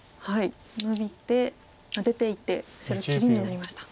ノビて出ていって白切りになりました。